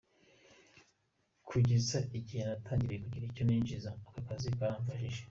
Kugeza igihe natangiriye kugira icyo ninjiza, aka kazi karamfashije.